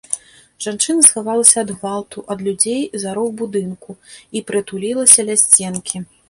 Жанчына схавалася ад гвалту, ад людзей за рог будынку і прытулілася ля сценкі.